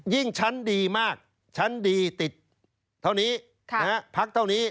ชั้นดีมากชั้นดีติดเท่านี้พักเท่านี้